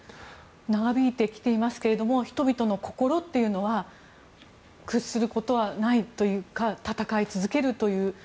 長引いてきていますけれども人々の心は屈することはないというか戦い続けるという。